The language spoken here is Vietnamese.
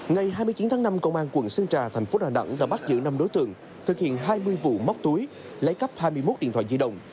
ngày hai mươi chín tháng năm công an quận sơn trà thành phố đà nẵng đã bắt giữ năm đối tượng